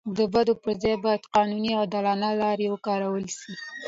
د بدو پر ځای باید قانوني او عادلانه لارې وکارول سي.